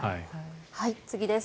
次です。